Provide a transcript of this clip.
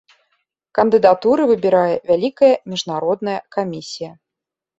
Кандыдатуры выбірае вялікая міжнародная камісія.